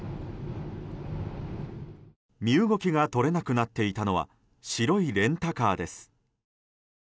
身動きが取れなくなっていたのは白いレンタカーです。